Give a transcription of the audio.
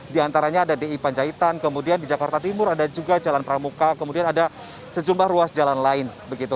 di antaranya ada di panjaitan kemudian di jakarta timur ada juga jalan pramuka kemudian ada sejumlah ruas jalan lain